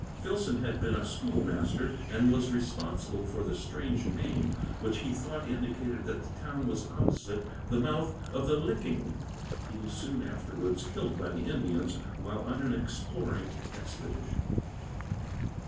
Filson had been a schoolmaster and was responsible for the strange name, which he thought indicated that the town was opposite the mouth of the Licking. He was soon afterwards killed by the Indians while on an exploring expedition.